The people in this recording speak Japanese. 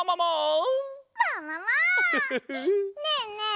ねえねえ。